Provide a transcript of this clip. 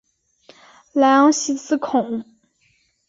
莱昂西兹孔。